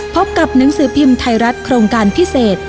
พบกับหนังสือพิมพ์ไทยรัฐโครงการพิเศษ